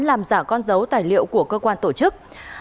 làm giả con dấu tài liệu của cơ quan tổ chức